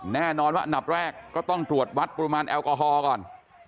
แน่นอนว่าอันดับแรกก็ต้องตรวจวัดปริมาณแอลกอฮอล์ก่อน